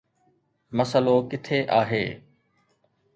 مسئلو ڪٿي آهي؟